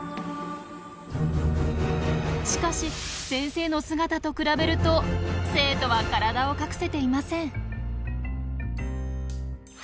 しかし先生の姿と比べると生徒は体を隠せていません。